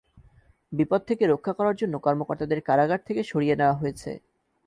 বিপদ থেকে রক্ষা করার জন্য কর্মকর্তাদের কারাগার থেকে সরিয়ে নেওয়া হয়েছে।